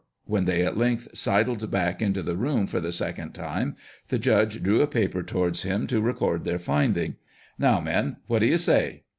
When they at length sidled back into the room for the second time, the judge drew a paper towards him to record their finding. "Now, men, what do you say?"